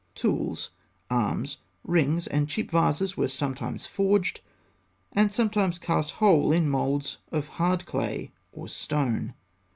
Tools, arms, rings, and cheap vases were sometimes forged, and sometimes cast whole in moulds of hard clay or stone.